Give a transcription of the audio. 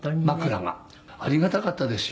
「ありがたかったですよ」